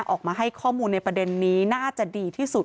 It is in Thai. ออกมาให้ข้อมูลในประเด็นนี้น่าจะดีที่สุด